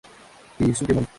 Keisuke Mori